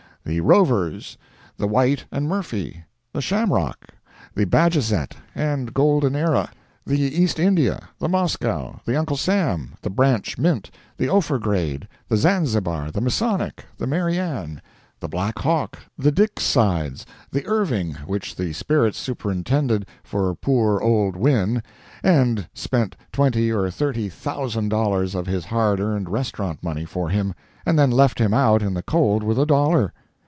The Rovers? The White and Murphy? The Shamrock? The Bajazet and Golden Era? The East India? The Moscow? The Uncle Sam? The Branch Mint? The Ophir Grade? The Zanzibar? The Masonic? The Mary Ann? The Black Hawk? The Dick Sides? The Irving, which the spirits superintended for poor old Winn, and spent twenty or thirty thousand dollars of his hard earned restaurant money for him, and then left him out in the cold with a dollar?